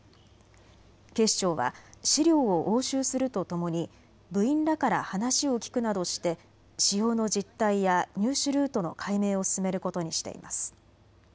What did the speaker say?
警視庁は資料を押収するとともに部員らから話を聞くなどして使用の実態や入手ルートの解明を進めることにしています。